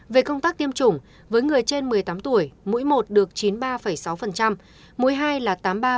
về công tác tiêm chủng với người trên một mươi tám tuổi mũi một được chín mươi ba sáu mũi hai là tám mươi ba